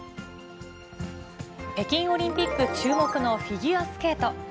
北京オリンピック注目のフィギュアスケート。